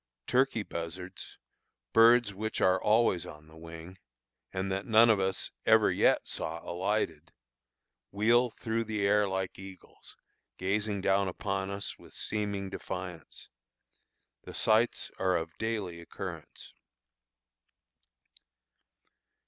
Turkey buzzards, birds which are always on the wing, and that none of us ever yet saw alighted, wheel through the air like eagles, gazing down upon us with seeming defiance. The sights are of daily occurrence.